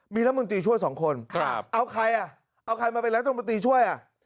มีรัฐมนตรีช่วยสองคนครับเอาใครอ่ะเอาใครมาเป็นรัฐมนตรีช่วยอ่ะ